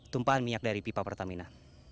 tumpahan minyak dari pipa pertamina